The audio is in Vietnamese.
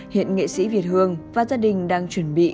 hiện nghệ sĩ việt hương và gia đình đang chuẩn bị